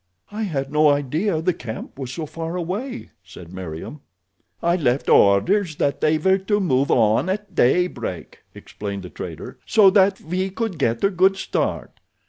"I had no idea the camp was so far away," said Meriem. "I left orders that they were to move on at day break," explained the trader, "so that we could get a good start.